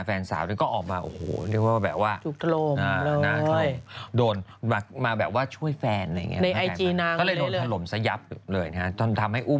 แฟนสาวเขาก็ออกมาโอ้หู